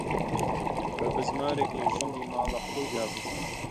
بە بزمارێک لە ژووری ماڵە خۆی دابوو